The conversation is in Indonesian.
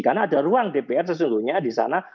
karena ada ruang dpr sesungguhnya di sana